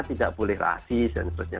tidak boleh rasis dan sebagainya